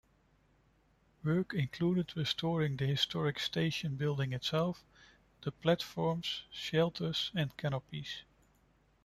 Work included restoring the historic station building itself, the platforms, shelters, and canopies.